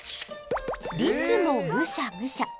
リスもむしゃむしゃ。